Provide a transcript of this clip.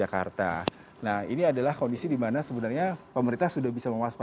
yaitu karena mengingat memang kondisi indonesia sendiri secara topografi grafis indonesia